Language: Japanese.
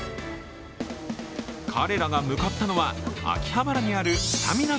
彼らが向かったのは秋葉原にあるスタミナ丼